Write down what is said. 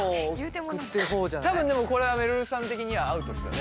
多分でもこれはめるるさん的にはアウトですよね？